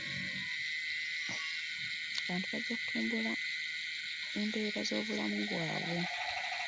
Abantu bajja kutumbula embeera z'obulamu bwabwe.